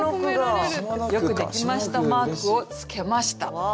よくできましたマークをつけました。